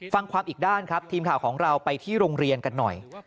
ฟังความอีกด้านครับทีมข่าวของเราไปที่โรงเรียนกันหน่อย